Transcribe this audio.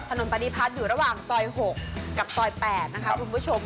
ถนนตะดิพัดอยู่ระหว่างซอย๖กับซอย๘นะคะคุณผู้ชม